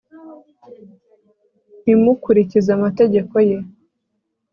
ntimukurikize amategeko ye